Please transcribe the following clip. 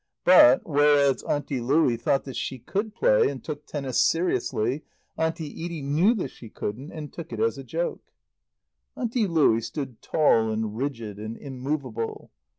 But, whereas Auntie Louie thought that she could play and took tennis seriously, Auntie Edie knew that she couldn't and took it as a joke. Auntie Louie stood tall and rigid and immovable.